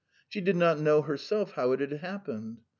She did not know herself how it had happened.